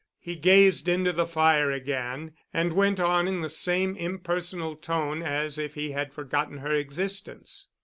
He gazed into the fire again and went on in the same impersonal tone as if he had forgotten her existence.